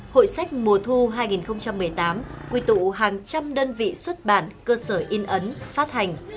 hội sách mùa thu hai nghìn một mươi tám quy tụ hàng trăm đơn vị xuất bản cơ sở in ấn phát hành